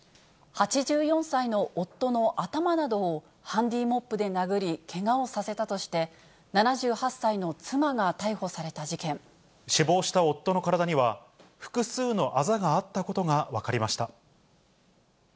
８４歳の夫の頭などを、ハンディモップで殴り、けがをさせたとして、死亡した夫の体には、複数のあざがあったことが分かりました。